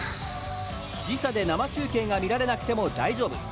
時差で生中継が見られなくても大丈夫。